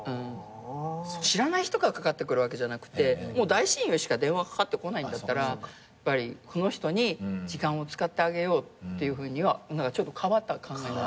知らない人からかかってくるわけじゃなくてもう大親友しか電話かかってこないんだったらこの人に時間を使ってあげようっていうふうにはちょっと変わった考え方が。